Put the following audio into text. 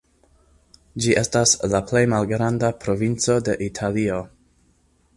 Ĝi estas la plej malgranda provinco de Italio.